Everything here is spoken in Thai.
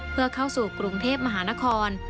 เพื่อเข้าสู่กรุงเทพมหานคร